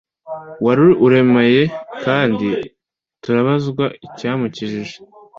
wari uremaye kandi turabazwa icyamukijije